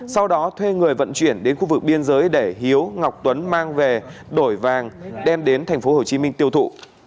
sau đó thuê người vận chuyển đến khu vực biên giới để hiếu ngọc tuấn mang về đổi vàng đem đến tp hcm tiêu thụ